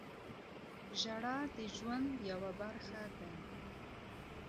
• ژړا د ژوند یوه برخه ده.